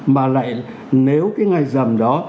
mà lại nếu cái ngày giảm đó